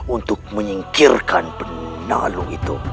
untuk menyingkirkan penalu itu